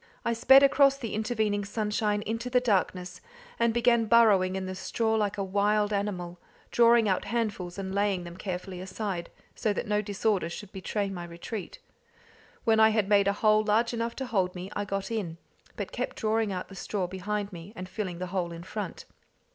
I sped across the intervening sunshine into the darkness, and began burrowing in the straw like a wild animal, drawing out handfuls and laying them carefully aside, so that no disorder should betray my retreat. When I had made a hole large enough to hold me, I got in, but kept drawing out the straw behind me, and filling the hole in front.